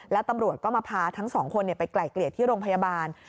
แล้วตำรวจก็มาพาทั้งสองคนไปไกลเกลี่ยที่โรงพยาบาล